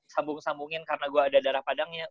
sambung sambungin karena gue ada darah padangnya